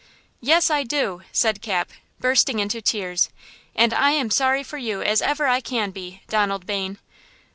"Yes, I do!" said Cap, bursting into tears; "and I am sorry for you as ever I can be, Donald Bayne."